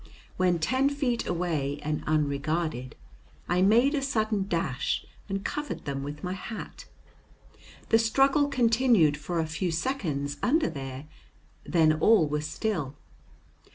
When ten feet away and unregarded, I made a sudden dash and covered them with my hat. The struggle continued for a few seconds under there, then all was still.